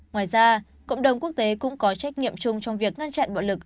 ngoài ra cộng đồng quốc tế cũng có trách nhiệm chung trong việc ngăn chặn bạo lực